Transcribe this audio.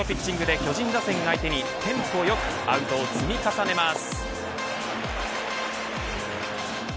安定感抜群のピッチングで巨人打線を相手にテンポよくアウトを積み重ねます。